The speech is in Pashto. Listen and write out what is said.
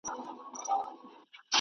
د زېږون وروسته استراحت ضروري دی